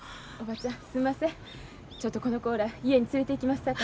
ちょっとこの子ら家に連れていきますさか。